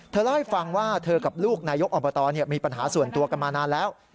เล่าให้ฟังว่าเธอกับลูกนายกอบตมีปัญหาส่วนตัวกันมานานแล้ว